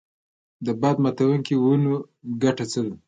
د باد ماتوونکو ونو ګټه څه ده؟